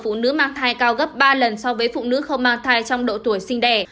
phụ nữ mang thai cao gấp ba lần so với phụ nữ không mang thai trong độ tuổi sinh đẻ